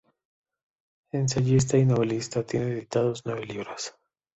Ensayista y novelista, tiene editados nueve libros.